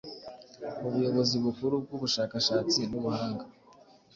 Ubuyobozi bukuru bw’ubushakashatsi n’ubuhanga,